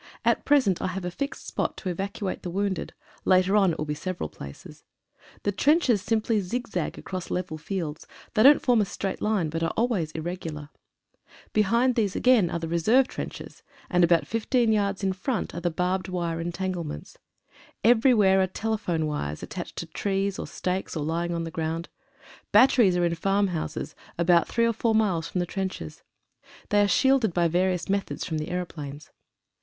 At present I have a fixed spot to evacuate the wounded, later on it will be several places. The trenches simply zigzag across level fields. They don't form a straight line, but are always irregular. Behind these again are the reserve 26 EFFECTS OF GUN FIRE trendies, and about 15 yards in front are the barbed wire entanglements. Everywhere are telephone wires at tached to trees or stakes, or lying on the ground. Bat teries are in farm houses, about three or four miles from the trenches. They are shielded by various methods from the aeroplanes.